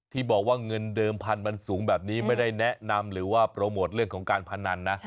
ที่บอกว่าเงินเดิมพันธุ์มันสูงแบบนี้ไม่ได้แนะนำหรือว่าโปรโมทเรื่องของการพนันนะ